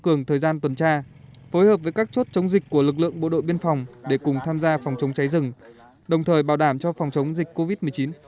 cũng dịch của lực lượng bộ đội biên phòng để cùng tham gia phòng chống cháy rừng đồng thời bảo đảm cho phòng chống dịch covid một mươi chín